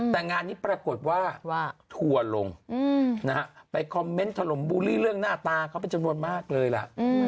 แต่งานนี้ปรากฏว่าว่าถั่วลงอืมนะฮะไปคอมเม้นท์ถล่มบูรรี่เรื่องหน้าตาเขาเป็นจำนวนมากเลยล่ะ